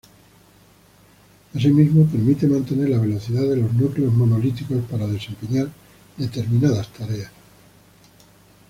Asimismo, permite mantener la velocidad de los núcleos monolíticos para desempeñar determinadas tareas.